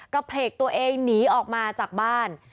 เพลกตัวเองหนีออกมาจากบ้าน